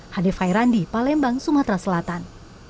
hanif khairandi palembang sumatera selatan